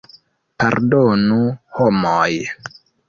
Pardonu, homoj!